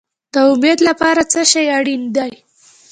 د امید لپاره څه شی اړین دی؟